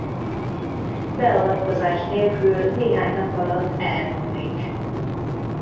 Beavatkozás nélkül néhány nap alatt elmúlik.